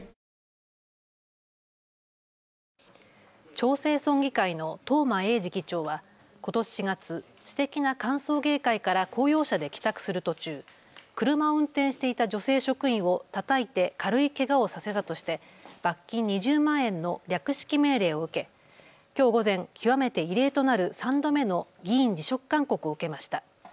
長生村議会の東間永次議長はことし４月、私的な歓送迎会から公用車で帰宅する途中、車を運転していた女性職員をたたいて軽いけがをさせたとして罰金２０万円の略式命令を受けきょう午前、極めて異例となる３度目の議員辞職勧告を受けました。